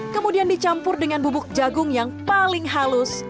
kemudian dicampur dengan bubuk jagung yang paling halus